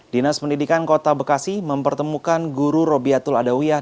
dinas pendidikan kota bekasi mempertemukan guru robiatul adawiyah